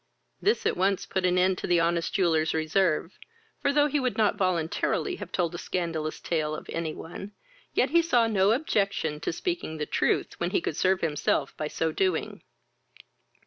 This at once put an end to the honest jeweller's reserve; for, though he would not voluntarily have told a scandalous tale of any one, yet he saw no objection to speaking the truth when he could serve himself by so doing.